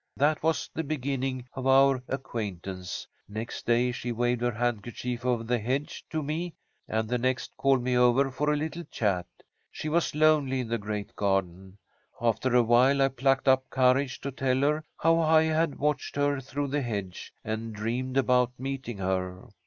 "That was the beginning of our acquaintance. Next day she waved her handkerchief over the hedge to me, and the next called me over for a little chat. She was lonely in the great garden. After awhile I plucked up courage to tell her how I had watched her through the hedge, and dreamed about meeting her.